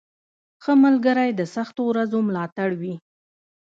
• ښه ملګری د سختو ورځو ملاتړ وي.